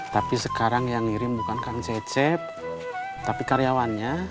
tapi sekarang yang ngirim bukan kang cecep tapi karyawannya